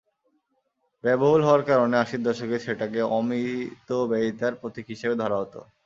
ব্যয়বহুল হওয়ার কারণে আশির দশকে সেটাকে অমিতব্যয়িতার প্রতীক হিসেবে ধরা হতো।